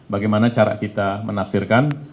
bagaimana cara kita menafsirkan